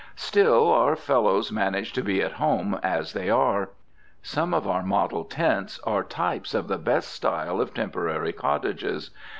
Still our fellows manage to be at home as they are. Some of our model tents are types of the best style of temporary cottages.